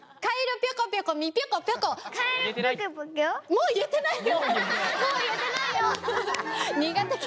もう言えてないよ！